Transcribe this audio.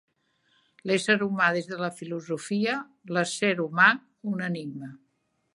L'ésser humà des de la filosofia; l'ésser humà, un enigma